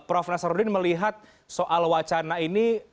prof nasaruddin melihat soal wacana ini